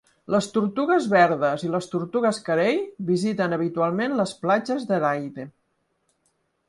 Les tortugues verdes i les tortugues carei visiten habitualment les platges d'Aride.